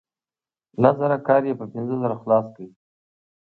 لس زره کار یې په پنځه زره خلاص کړ.